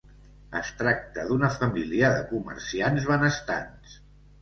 Es tracta d'una família de comerciants benestants.